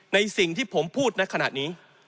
ในสิ่งที่ผมพูดในขณะนี้